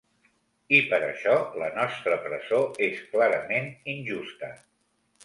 I per això la nostra presó és clarament injusta.